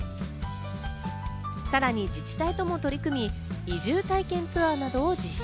さらに自治体とも取り組み、移住体験ツアーなどを実施。